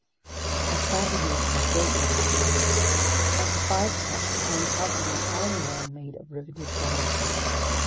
I started moving, groping my way. After five steps I encountered an iron wall made of riveted boilerplate.